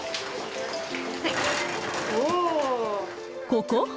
ここ？